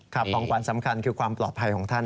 ขออนุกาสคือความปลอบภัยของท่าน